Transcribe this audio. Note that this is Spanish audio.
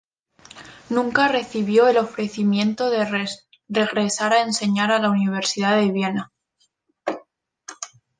Nunca recibió el ofrecimiento de regresar a enseñar a la Universidad de Viena.